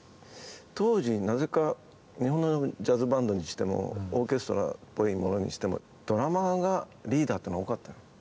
当時なぜか日本のジャズバンドにしてもオーケストラっぽいものにしてもドラマーがリーダーってのが多かった。